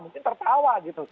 mungkin tertawa gitu